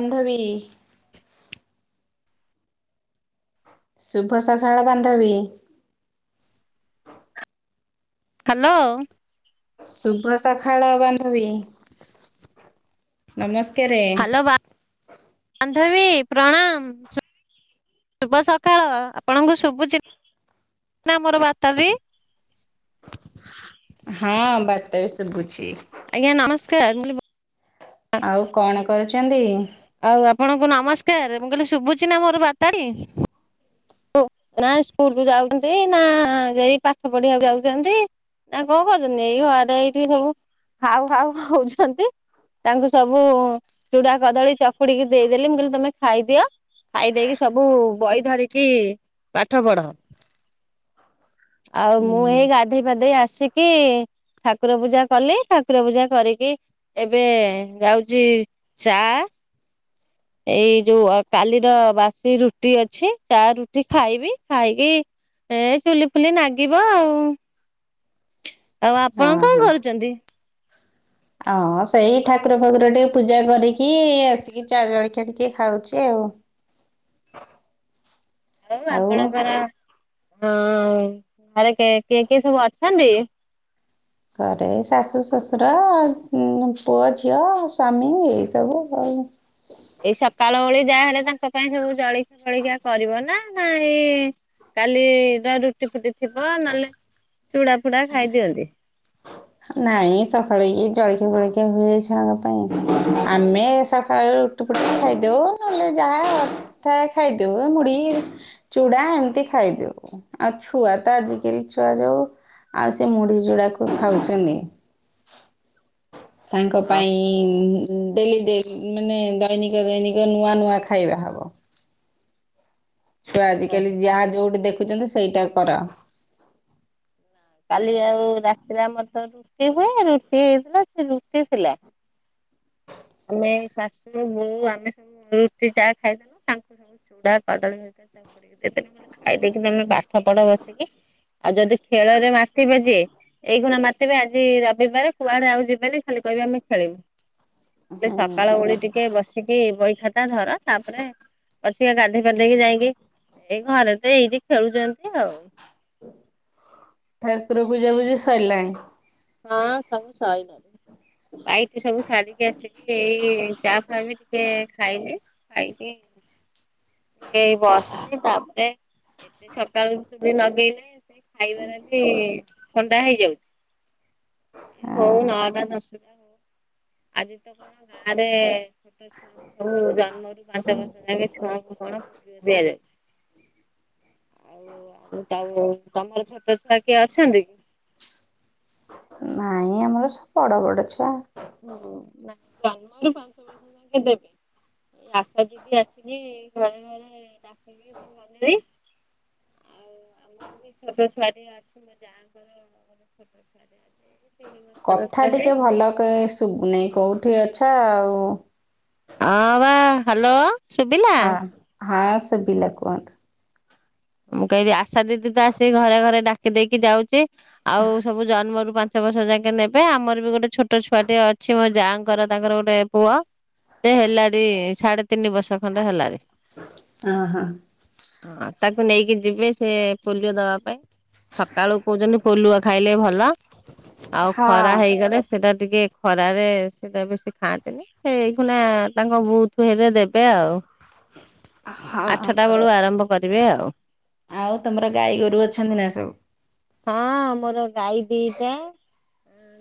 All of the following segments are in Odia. ବାନ୍ଧବୀ। ଶୁଭ ସଖାଳ ବାନ୍ଧବୀ। ହାଲୋ। ଶୁଭ ସଖାଳ ବାନ୍ଧବୀ ନମସ୍କାରେ। ହାଲୋ ବାନ୍ଧବୀ ପ୍ରଣାମ। ଶୁଭ ସକାଳ ଆପଣଙ୍କୁ ଶୁଭୁଚି ନା ମୋର ବାର୍ତା ବି। ହଁ ବାର୍ତା ବି ଶବୁଛି। ଆଜ୍ଞା ନମସ୍କାର। ଆଉ କଣ କରୁଚନ୍ତି? ଆଉ ଆପଣଙ୍କୁ ନମସ୍କାର ମୁଁ କହିଲି ଶୁଭୁଛିି ନା ମୋର ବାର୍ତା ଟି? ନା ସ୍କୁଲ ରୁ ଯାଉଛନ୍ତି ନା ସେଇ ପାଠ ପଢିବାକୁ ଯାଉଚନ୍ତି। ନା କଣ କରୁଛନ୍ତିି ଏଇ ଘରେ ଏଇଠି ସବୁ ହାଉ ହାଉ ହଉଛନ୍ତି। ତାଙ୍କୁ ସବୁ ଚୁଡା କଦଳୀ ଚକୁଡିକି ଦେଇଦେଲି ମୁଁ କହିଲି ତମେ ଖାଇଦିଅ। ଖାଇ ଦେଇକି ସବୁ ବହି ଧରିକି ପାଠ ପଢ। ହ ଆଉ ମୁଁ ଏଇ ଗାଧେଇ ପାଧେଇ ଆସିକି ଠାକୁର ପୂଜା କଲି ଠାକୁର ପୂଜା କରିକି ଏବେ ଯାଉଚି ଚା ଏଇ ଯୋଉ କାଲିର ବାସି ରୁଟି ଅଛି ଚା ରୁଟି ଖାଇବି ଖାଇକି ଏ ଚୁଲି ଫୁଲି ନାଗିବ ଆଉ। ଆଉ ଆପଣ ହଁ କଣ କରୁଚନ୍ତି। ହଁ ସେଇ ଠାକୁର ଫାକୁର ଟିକେ ପୂଜା କରିକି ଆସିକି ଚା ଜଳଖିଆ ଟିକେ ଖାଉଚି ଆଉ। [inaudible] ଆଉ ଆପଣଙ୍କର ହଁ ଘରେ କିଏ କିଏ ସବୁ ଅଛନ୍ତି। ଘରେ ଶାଶୁ ଶଶୁର ପୁଅ ଝିଅ ସ୍ୱାମୀ ଏଇସବୁ ଆଉ। ଏଇ ସକାଳ ଓଳି ଯାହାହେଲେ ତାଙ୍କ ପାଇଁ ସବୁ ଜଳଖିଆ ଫଳିଖିଆ କରିବ ନା ନା ଏଇ କାଲିର ରୁଟି ଫୁଟି ଥିବ ନହେଲେ ଚୁଡା ଫୁଡା ଖାଇଦିଅନ୍ତି। ନାଇଁ ସକାଳୁ ଜଳଖିଆ ଫଳିକିଆ ହୁଏ ଛୁଆଙ୍କ ପାଇଁ ଆମେ ସକାଳୁ [unintelligible] ଖାଇଦଉ ନହଲେ ଯାହା ଥାଏ ଖାଇଦଉ ଏ ମୁଢି ଚୁଡା ଏମିତି ଖାଇଦଉ ଆଉ ଛୁଆ ତ ଆଜିକାଲି ଛୁଆ ଯଉ ଆଉ ସେ ମୁଢି ଚୁଡାକୁ ଖାଉଚନ୍ତି। ତାଙ୍କ ପାଇଁ ଡେଲି ମାନେ ଦୈନିକ ଦୈନିକ ନୂଆ ନୂଆ ଖାଇବା ହବ। ଛୁଆ ଆଜିକାଲି ଓହୋ ଯାହା ଯୋଉଠି ଦେଖୁଚନ୍ତି ସେଇଟା କର। କାଲି ଆଉ ରାତିରେ ଆମରତ ରୁଟି ହୁଏ ରୁଟି ହେଇଥିଲା ସେ ରୁଟି ଥିଲା। ଆମେ ଶାଶୁ ବୋଉ ଆମେ ସବୁ ରୁଟି ଚାହା ଖାଇଦେଲୁ ତାଙ୍କୁ ସବୁ ଚୁଡା କଦଳୀ [unintelligible] [unintelligible] ଖାଇଦେଇକି ତମେ ପାଠ ପଢ ବସିକି ଆଉ ଯଦି ଖେଳ ରେ ମାତିିବ ଯିଏ ଏଇ ଖୁଣା ମା ତିବେ ଆଜି ରବିବାର କୁଆଡେ ଆଉ ଯିବେନି ଖାଲି କହିବେ ଆମେ ଖେଳିବୁ। ହୁଁ। ସକାଳ ଓଳି ଟିକେ ବସିକି ବହି ଖାତା ଧର ତାପରେ ପସିବେ ଗାଧେଇ ପଧେଇକି ଯାଇକି ଏଇ ଘରେ ତ ଏଇଟି ଖେଳୁଚନ୍ତି ଆଉ। ଠାକୁର ପୂଜା ପୂଜିି ସଇଲାଣି। ହଁ ସବୁ ସଇଲାଣି ପାଇଟି ସବୁ ସାରିକି ଆସିକି ଏଇ ଚା ଫା ବି ଟିକେ ଏ ଖାଇକି ଖାଇକି ଟିକେ ବସିଚି ତାପରେ ଏତେ ସକାଳୁ ଉଠିକି ନଗେଇଲେ ସେ ଖାଇବାର ବି ଥଣ୍ଡା ହେଇଯାଉଚି। ହଉ ହଁ। ନଅଟା ଦଶଟା ହଉ ଆଜି ତ କଣ ଗାଁ ରେ ଜାନୁଆରି ମାସ [unintelligible] ଛୁଆଙ୍କୁ କଣ ଦିଆଯାଉଚି। ଆଉ ଆଉ ତମର ଛୋଟ ଛୁଆ କିଏ ଅଛନ୍ତି। ନାଇଁ। ଆମର ସବୁ ବଡ ବଡ ଛୁଆ। ଜନ୍ମରୁ ପାଞ୍ଚ ବର୍ଷ [unintelligible] ଦେବେ। ଆସା ଦିଦି ଆସିକି ଘରେ ଘରେ [unintelligible] [unintelligible] ତିନି ବର୍ଷର କଥା ଛୁଆଟେ। ଟିକେ ଭଲ କଇ ଶୁବୁନେଇଁ କୋଉଠି ଅଛ ଆଉ ଆଁ ବା ହ୍ୟାଲୋ। ଶୁଭିଲା? ହଁ ହଁ ସୁବିଲା କୁହନ୍ତୁ। ମୁଁ କହିବି ଆଶା ଦିଦି ତ ଆସିକି ଘରେ ଘରେ ଡାକି ଦେଇକି ଯାଉଚି ଆଉ ସବୁ ଜନ୍ମରୁ ପାଞ୍ଚ ବର୍ଷ ଜାକେ ନେବେ ଆମର ବି ଗୋଟେ ଛୋଟ ଛୁଆଟି ଅଛି ମୋ ଯାଆଙ୍କର ତାଙ୍କର ଗୋଟେ ପୁଅ ସେ ହେଲାଡି ସାଢେ ତିନି ବର୍ଷ ଖଣ୍ଡେ ହେଲାଣି। ଅହ। ତାକୁ ନେଇକି ଯିବେ ସେ ପୋଲିଓ ଦବା ପାଇଁ ସକାଳୁ କଉଚନ୍ତି ପୋଲୁଅ ଖାଇଲେ ଭଲ ଆଉ ଖରା ହଁ ହେଇଗଲେ ସେଇଟା ଟିକେ ଖରାରେ ସେଇଟା ବେଶୀ ଖାଆନ୍ତିନି ହେଉ ଖୁନା ତାଙ୍କ ବୁଥୁ ହେଲେ ଦେବେ ଆଉ। ହଁ ଆଠଟା ବେଳୁ ଆରମ୍ଭ କରିବେ ଆଉ। ଆଉ ତମର ଗାଈ ଗୋରୁ ଅଛନ୍ତି ନା ସବୁ? ହଁ ମୋର ଗାଈ ଦିଟା।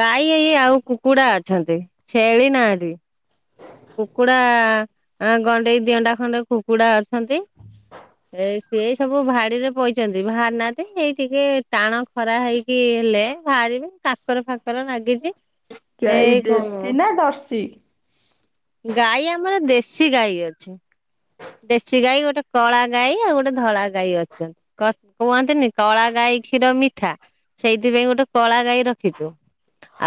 ଗାଈ ଏଇ ଏଇ ଆଉ କୁକୁଡା ଅଛନ୍ତି ଛେଳି ନାହାନ୍ତି। କୁକୁଡା ଆ ଗଣ୍ଡେ କି ଦିଗଣ୍ଡା ଖଣ୍ଡେ କୁକୁଡା ଅଛନ୍ତି। ଏ ସିଏ ସବୁ ଭାଡିରେ ପଇଛନ୍ତି ବାହାରି ନାହାନ୍ତି ଏଇ ଟିକେ ଟାଣ ଖରା ହେଇକି ହେଲେ ବାହାରିବି କାକର ଫାକର ଲାଗିଛି। ଗାଇ ଦେଶୀ ନା ଦର୍ଶୀ? ଗାଈ ଆମର ଦେଶୀ ଗାଈ ଅଛି। ଦେଶୀ ଗାଈ ଗୋଟେ କଳା ଗାଈ ଆଉ ଗୋଟେ ଧଳା ଗାଈ ଅଛନ୍ତି। କ କୁହନ୍ତିନି କଳା ଗାଈ କ୍ଷୀର ମିଠା। ସେଇଥିପାଇଁ ଗୋଟେ କଳା ଗାଈ ରଖିଛୁ।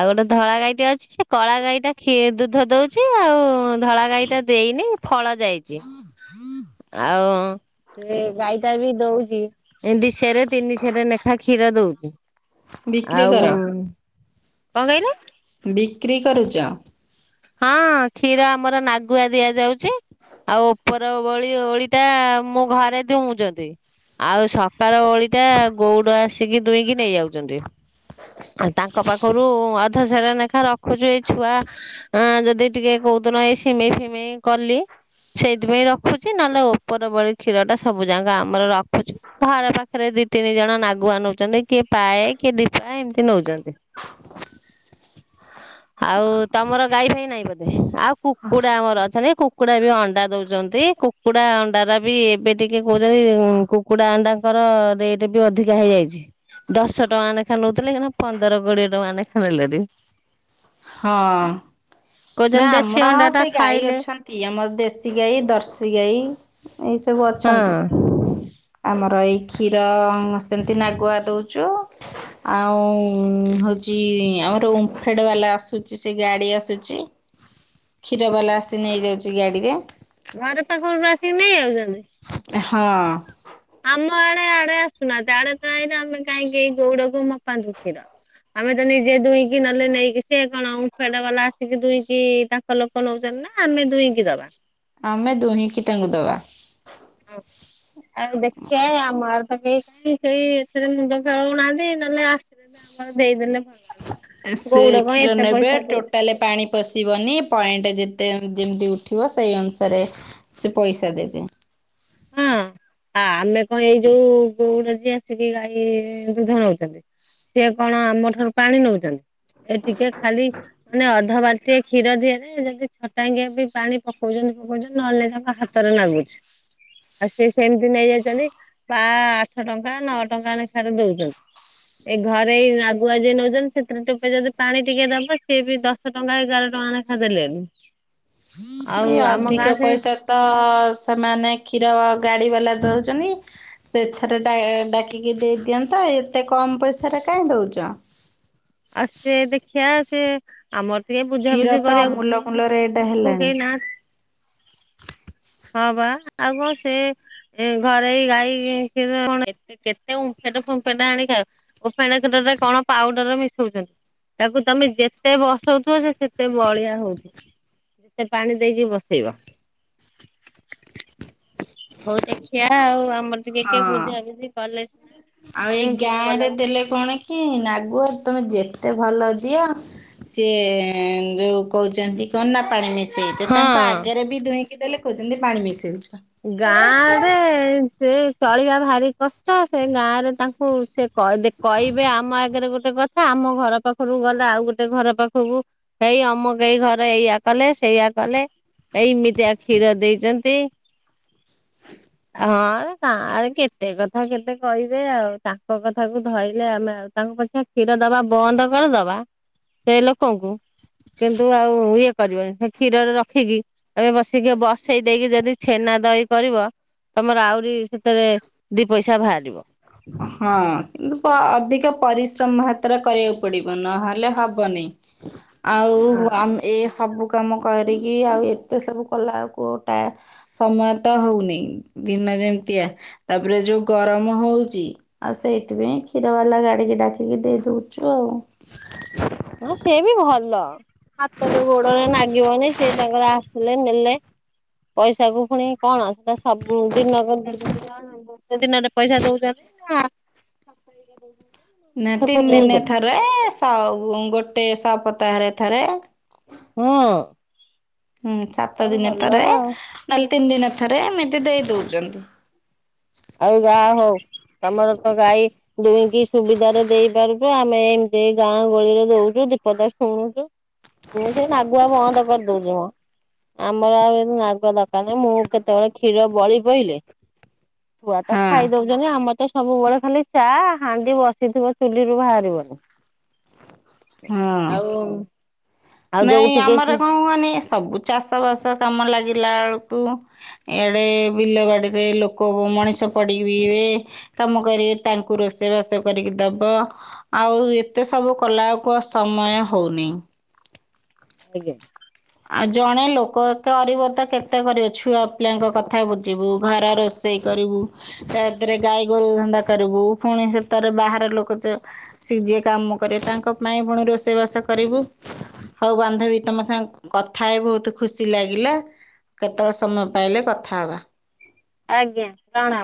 ଆଉ ଗୋଟେ ଧଳା ଗାଈଟେ ଅଛି ସେ କଳା ଗାଈଟା ଖୀ ଦୁଧ ଦଉଛି ଆଉ ଧଳା ଗାଈଟା ଦେଇନି ଫଳ ଯାଇଛି। ଆଉ। ସେ ଗାଈଟା ବି ଦଉଛି ଏ ଦିଶେରେ ତିନିଶେରେ ଲେଖା କ୍ଷୀର ଦଉଛି। ବିକ୍ରି କର? ଆଉ କଣ କହିଲେ। ବିକ୍ରି କରୁଚ? ହଁ କ୍ଷୀର ଆମର ନାଗୁଆ ଦିଆଯାଉଚି। ଆଉ ଉପର ଓଳି ଓଳି ଟା ମୋ ଘରେ ଦୁଉଛନ୍ତି। ଆଉ ସକାଳ ଓଳି ଟା ଗଉଡ ଆସିକି ଦୁଇଁକି ନେଇଯାଉଛନ୍ତି। ଆ ତାଙ୍କ ପାଖରୁ ଅଧସେର ଲେଖା ରଖୁଛୁ ଏଇ ଛୁଆ ହଁ ଯଦି ଟିକେ କଉଦିନ ଏଇ ସିମେଇ ଫିମେଇ କଲି। ସେଇଥିପାଇଁ ରଖୁଛି ନହେଲେ ଉପର ଓଳି କ୍ଷୀର ଟା ସବୁ ଯାକ ଆମର ରଖୁଛୁ। ଘର ପାଖରେ ଦି ତିନି ଜଣ ନାଗୁଆ ନଉଛନ୍ତି କିଏ ପାଏ କିଏ ଦିପାଏ ଏମିତି ନଉଛନ୍ତି। [unintelligible] ଆଉ ତମର ଗାଈ ଫାଇ ନାଇଁ ବୋଧେ ଆଉ କୁକୁଡା ଆମର ଅଛନ୍ତି କୁକୁଡା ବି ଅଣ୍ଡା ଦଉଚନ୍ତି କୁ କୁକୁଡ଼ା ଅଣ୍ଡାର ବି ଏବେ ଟିକେ କହୁଛନ୍ତି ଉମ କୁକୁଡା ଅଣ୍ଡାଙ୍କର ରେଟ୍ ବି ଅଧିକା ହେଇଯାଇଛି। ଦଶ ଟଙ୍କା ନେଖା ନଉଥିଲେ ପନ୍ଦର କୋଡିଏ ଟଙ୍କା ନେଖା ନେଲେଣି। ହଁ। ନା କହୁଛନ୍ତି ଦେଶୀ ଆମର ଅଣ୍ଡା ହଁ ଟା ସେ ଗାଈ ଖାଇଲେ ଅଛନ୍ତି ଆମର ଦେଶୀ ଗାଈ ଦର୍ଶୀ ଗାଈ ଏଇ ସବୁ ହଁ ଅଛନ୍ତି। ଆମର ଏଇ କ୍ଷୀର ସେମିତି ନାଗୁଆ ଦେଉଚୁ। ଆଉ ଉମ ହଉଛି ଆମର ଓମଫେଡ଼ ବାଲା ଆସୁଛି ସେ ଗାଡି ଆସୁଛି। କ୍ଷୀରବାଲା ଆସି ନେଇଯାଉଚି ଗାଡ଼ିରେ। ଘର ପାଖରୁ ଆସିକି ନେଇ ଯାଉଛନ୍ତି? ହଁ। ଆମ ଆଡେ ଆଡେ ଆସୁନାହାନ୍ତି ଆଡେ ତ ଆଇଲେ ଆମେ କାହିଁକି ଏଇ ଗଉଡକୁ ମପାନ୍ତୁ କ୍ଷୀର। ଆମେ ତ ନିଜେ ଦୁଇଁକି ନହଲେ ନେଇକି ସେ କଣ ଓମଫେଡ ବାଲା ଆସିକି ଦୁଇଁକି ତା ଲୋକ ନଉଛନ୍ତି ନା ଆମେ ଦୁଇକି ଦବା। ଆମେ ଦୁହିଁକି ତାଙ୍କୁ ଦବା। ଆଉ ଦେଖି ଆଉ ଆମ ଆଡ। ତ କାଇଁ ସେଇ ଏଥିରେ ମୁଣ୍ଡ ଖେଳଉନାହାନ୍ତି ନହେଲେ ଆସି ଆମର ଦେଇଦେଲେ ଭଲ। ହୁଅନ୍ତା। ସେ ଗଉଡ କଣ କ୍ଷୀର ଏତେ ନେବେ ପଇସା ଦଉ ଟୋଟଲେ ପାଣି ପଶିବନି ପଏଣ୍ଟ ଯେତେ ଯେମିତି ଉଠିବ ସେଇ ଅନୁସାରେ ସେ ପଇସା ଦେବେ। ହଁ ଆ ଆମେ କଣ ଏଇ ଯୋଉ ଗୋଉଡ ଯିଏ ଆସିକି ଗାଈ ଦୁଧ ନଉଛନ୍ତି। ସିଏ କଣ ଆମ ଠାରୁ ପାଣି ନଉଛନ୍ତି ଏ ଟିକେ ଖାଲି‌। ମାନେ ଅଧ ବାଲଟିଏ କ୍ଷୀର ଦିଆଯାଏ ଯଦି ଛଟାଙ୍କିଆ ବି ପାଣି ପକଉଛନ୍ତି ପକଉଛନ୍ତି ନହେଲେ ତାଙ୍କ ହା ତର ନାଗୁଛି‌।। ଆଉ ସେ ସେମିତି ନେଇଯାଇଛନ୍ତି ପା ଆଠ ଟଙ୍କା ନଅ ଟଙ୍କା ଲେଖାରେ ଦଉଛନ୍ତି‌। ଏ ଘରେ ଏଇ ଆଗୁଆ ଯିଏ ନେଉଛନ୍ତି ସେଥିରେ ଟୋପେ ଯଦି ପାଣି ଟିକିଏ ଦବ ସିଏ ବି ଦ ଶ ଟଙ୍କା ଏଗାର ଟଙ୍କା ନାଖା ଦେଲେନି। ଏଇ ଅଧିକ ପଇସା ତ ସେମାନେ କ୍ଷୀର ଗାଡ଼ି ବାଲା ଦଉଛନ୍ତି। ସେ ଏଥରେ ଡା ଡାକିକି ଦେଇଦିଅନ୍ତା ଏତେ କମ୍ ପଇସାରେ କାଇ ଦଉଛ‌? ଆଉ ସେ ଦେଖିବା ସେ ଆମର ଟିକେ କ୍ଷୀର ବୁଝାବୁଝି ତ କରିବାକୁ ଅମୂଲ କୁଲ ରେଟ୍ ହେଲାଣି‌। କେହି ନାହାନ୍ତି ହଁ, ବା ଆଉ କ'ଣ ସେ‌ ଏ ଘରେ ଏଇ ଗାଈ କ୍ଷୀର କଣ କତେ କେତେ ଓମ୍ଫେଡ୍ ଫୋମ୍ଫେଟ୍ ଆଣିକି ଖା ଓମ୍ଫେଡେ କ୍ଷୀରରେ କ'ଣ ପାଉଡର ମିଶଉଛନ୍ତି? ତାକୁ ତମେ ଯେତେ ବସଉଥିବ ସେ ସେତେ ବହଳିଆ ହଉ [inaudible] ପାଣି ଦେଇକି ବସେଇବ। ହଉ ଦେଖିଆ ଆଉ ଆମର ଟିକିଏ ହଁ। କିଏ ବୁଝାବୁଝି କଲେ ସିନା। ଆଉ ସେ ଏଇ ଗାଁ ଓମ୍ଫେଡ ବାଲା ରେ ଦେଲେ କଣ କି [inaudible] ତମେ ଯେତେ ଭଲ ଦିଅ‌ ସିଏ ଯୋଉ କହୁଛନ୍ତି କଣନା ପାଣି ମିଶ ଦେଇଚ ତାଙ୍କ ହଁ ଆଗରେ ବି ଦୁହିଁକି ଦେଲେ କହୁଛନ୍ତି ପାଣି ମିଶେଇଦଉଛ। ଗାଁ ରେ ସେ ଚଳିବା ଭାରି କଷ୍ଟ ସେ ଗାଁ ରେ ତାଙ୍କୁ ସେ କ ଦେ କହିବେ ଆମ ଆଗରେ ଗୋଟେ କ ଆମ ଘର ପାଖରୁ ଗଲେ ଆଉ ଗୋଟେ ଘର ପାଖକୁ ହେଇ ଅମକେଇ ଘରେ ଏଇଆ କଲେ ସେଇଆ କଲେ ଏଇମିତିଆ କ୍ଷୀର ଦେଇଛନ୍ତି‌। ହଁ, ଗାଁ ରେ କେତେ କଥା କେତେ କହିବେ ଆଉ ତାଙ୍କ କଥାକୁ ଧଇଲେ ଆମେ ଆଉ ତାଙ୍କ ପ କ୍ଷୀର ଦବା ବନ୍ଦ କରିଦବା ସେଇ ଲୋକଙ୍କୁ କିନ୍ତୁ ଆଉ ଇଏ କରିବନି, ହେ କ୍ଷୀରରେ ରଖିକି ଏବେ ବସେଇ ଦିଏ ବସେଇ ଦେଇକି ଯଦି ଛେନା ଦହି କରିବ ତମର ଆହୁରି ସେଥିରେ ଦି ପଇସା ବାହାରିବ। ହଁ, କିନ୍ତୁ ପ ଅଧିକ ପରିଶ୍ରମ ହାତରେ କରିବାକୁ ପଡିବ ନହେଲେ ହବନି। ଆଉ ଆମ୍ ଏ ସବୁ କାମ କରିକି ଆଉ ଏତେ ସବୁ କଲାବେଳକୁ ଟା ସମୟ ତ ହଉନି ଦିନ ଯେମିତିଆ ତାପରେ ଯୋଉ ଗରମ ହଉ ଚି ଆଉ ସେଇଥିପାଇଁ କ୍ଷୀର ବାଲା ଗାଡିକି ଡାକିକି ଦେଇ ଦଉଛୁ ଆଉ। ହଁ, ସେ ବି ଭଲ। ହାତରେ ଗୋଡରେ ନାଗିବନି ସିଏ ତାଙ୍କର ଆସିଲେ ନେଲେ‌। ପଇସା କୁ ପୁଣି କଣ ସବୁ ଦିନ କୁ ଦିନ ଗୋଟେ ଦିନରେ ପଇସା ଦଉଛନ୍ତି ନାଁ ନା ତିନି ଦିନରେ ଥରେ ସ ଗୋଟେ ସପତାହରେ ଥରେ। ହଁ। ହୁଁ, ସାତ ଦିନରେ ଭଲ ଥରେ ଆଉ। ନହେଲେ ତିନି ଦିନରେ ଥରେ ଏମିତି ଦେଇ ଦଉଛନ୍ତି। ଆଉ ଜାହା ହଉ ତମର ତ ଗାଈ ଦୁହିଁକି ସୁବିଧାରେ ଦେଇ ପାରୁଛୁ ଆମେ ଏମିତି ଗାଁ ଗହଳିରେ ଦଉଛୁ ଦିପଦ ଶୁଣୁଛୁ। ମୁଁ ସେଇ ନଗୁଆ ବନ୍ଦ କରିଦେଉଛି ମ। ଆମର ଆଉ ଏ ନାଗ ଦରକାର ନାହିଁ ମୁଁ କେତେବେଳେ କ୍ଷୀର ବଳି ପଇଲେ ଛୁଆ ତ ହଁ ଖାଇ ଦଉଛନ୍ତି ଆମର ତ ସବୁବେଳେ ଖାଲି ଚା ହାଣ୍ଡି ବସିଥିବ ଚୁଲିରୁୁ ବାହାରିବନି। ହଁ। ଆଉ ଆଉ ଯୋଉ ନାଇଁ ଟିକେ ଆମର କଣ କୁହନି ସବୁ ଚାଷବାସ କାମ ଲାଗିଲା ବେଳକୁ ଏଡେ ବିଲ ବାଡିରେ ଲୋକ ମଣିଷ ପଡିବିବେ। କାମ କରିବେ ତାଙ୍କୁ ରୋଷେଇବାସ କରିକି ଦବ। ଆଉ ଏତେ ସବୁ କଲା ବେଳକୁ ସମୟ ହଉନି। ଆଜ୍ଞା। ଆଉ ଜଣେ ଲୋକ କରିବ ତ କେତେ କରିବ ଛୁଆ ପିଲାଙ୍କ କଥା ବୁଝିବୁ ଘର ରୋ ଷେଇ କରିବୁ, ତା ଥିରେ ଗାଈ ଗୋରୁ ଧନ୍ଦା କରିବୁ ପୁଣି ସେଥିରେ ବାହାର ଲୋକ ଯେ ସିଏ ଯିଏ କାମ କରେ ତାଙ୍କ ପାଇଁ ପୁଣି ରୋଷେଇବାସ କରିବୁ। ହଉ ବାନ୍ଧବୀ ତମ ସାଙ୍ଗ କଥା ହେଇ ବହୁତ ଖୁସି ଲାଗିଲା କେତେବେଳେ ସମୟ ପାଇଲେ କଥା ହେବା। ଆଜ୍ଞା ପ୍ରଣାମ